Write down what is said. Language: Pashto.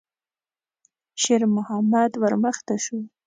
شېرمحمد ور مخته شو.